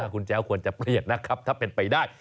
คุณแจ้วควรจะเครียดนะครับถ้าเป็นไปได้